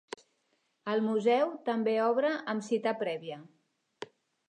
El museu també obre amb cita prèvia.